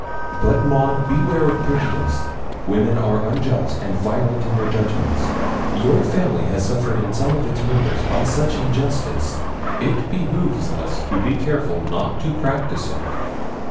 'But, Maud, beware of prejudice; women are unjust and violent in their judgments. Your family has suffered in some of its members by such injustice. It behoves us to be careful not to practise it.'